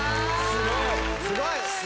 すごい！